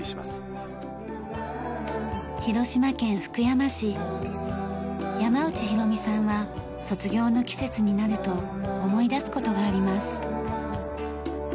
山内博美さんは卒業の季節になると思い出す事があります。